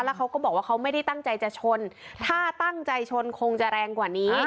แล้วเขาก็บอกว่าเขาไม่ได้ตั้งใจจะชนถ้าตั้งใจชนคงจะแรงกว่านี้